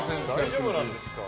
大丈夫なんですか？